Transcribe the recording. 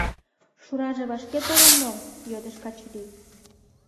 — Шураже вашке толын мо? — йодеш Качырий.